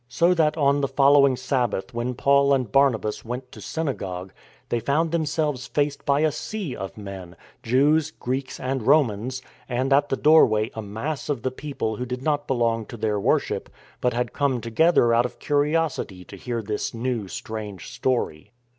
So that on the following Sabbath when Paul and Barnabas went to synagogue, they found themselves faced by a sea of men — Jews, Greeks, and Romans — and at the doorway a mass of the people who did not belong to their worship, but had come together out of curiosity to hear this new strange story.